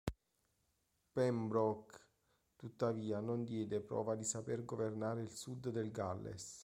Pembroke tuttavia non diede prova di saper governare il sud del Galles.